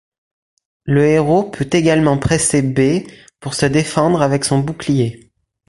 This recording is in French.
Le héros peut également presser B pour se défendre avec son bouclier.